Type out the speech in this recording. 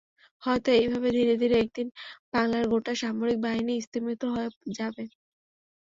হয়তো এইভাবে ধীরে ধীরে একদিন বাংলার গোটা সামরিক বাহিনী স্তিমিত হয়ে যাবে।